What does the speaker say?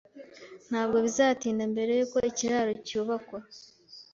Ntabwo bizatinda mbere yuko ikiraro cyubakwa